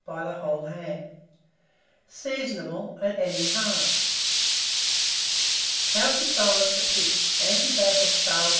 by the whole ham. Seasonable at any time. HOW TO SILENCE A PIG. ANECDOTE OF CHARLES V.